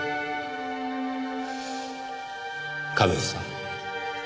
亀井さん